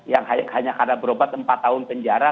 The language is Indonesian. yang hanya karena berobat empat tahun penjara